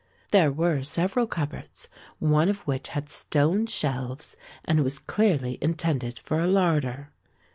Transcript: There were several cupboards, one of which had stone shelves and was clearly intended for a larder.